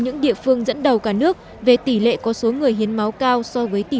những địa phương dẫn đầu cả nước về tỷ lệ có số người hiến máu cao so với tỷ lệ dân số